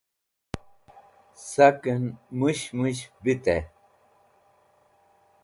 Saken Mushmush Vitey